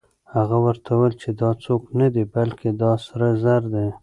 هغه ورته وویل چې دا څوک نه دی، بلکې دا سره زر دي.